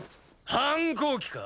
反抗期か？